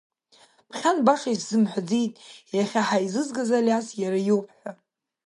Ԥхьан баша исымҳәаӡеит, иахьа ҳаизызгаз Алиас иаара ауп ҳәа.